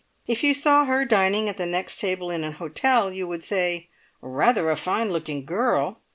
If you saw her dining at the next table in an hotel you would say, "Rather a fine looking girl!"